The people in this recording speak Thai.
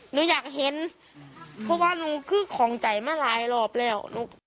หนูอยากเห็นเพราะว่าหนูคือของใจมาหลายรอบแล้ว